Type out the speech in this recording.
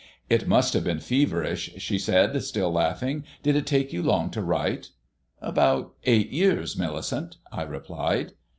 "It must have been ferverish," she said, still laughing. "Did it take you long to write?" "About eight years, Millicent," I replied.